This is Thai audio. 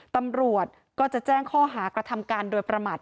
ตำรวจก็จะแจ้งข้อหากระทำการโดยประมาท